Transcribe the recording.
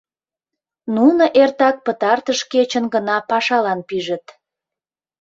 Нуно эртак пытартыш кечын гына пашалан пижыт.